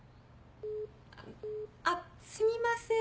あっすみません。